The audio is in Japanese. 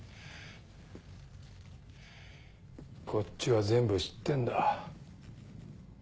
こっちは全部知ってんだ。